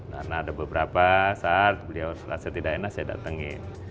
karena ada beberapa saat beliau merasa tidak enak saya datangin